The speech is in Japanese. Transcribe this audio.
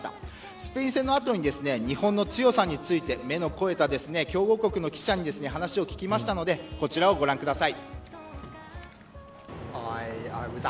スペイン戦の後に日本の強さについて目の肥えた強豪国の記者に話を聞いたのでこちらをご覧ください。